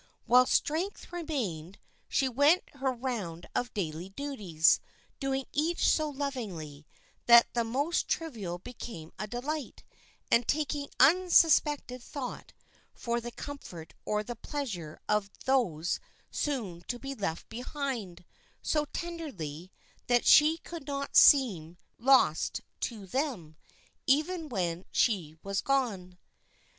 While strength remained, she went her round of daily duties, doing each so lovingly, that the most trivial became a delight, and taking unsuspected thought for the comfort or the pleasure of those soon to be left behind, so tenderly, that she could not seem lost to them, even when she was gone.